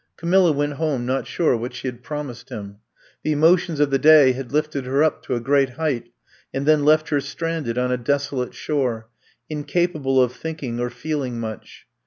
Camilla went home not sure what she had promised him. The emotions of the day had lifted her up to a great height, and then left her stranded on a desolate shore^ incapable of thinking or feeling much.